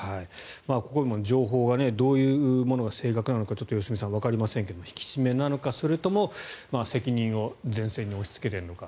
ここでも情報がどういうものが性格なのか良純さん、わかりませんが引き締めなのかそれとも責任を前線に押しつけているのか。